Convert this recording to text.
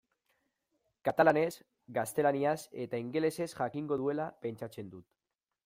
Katalanez, gaztelaniaz eta ingelesez jakingo duela pentsatzen dut.